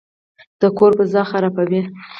د کور فضا خرابوي.